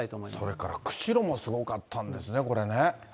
それから釧路もすごかったんですね、これね。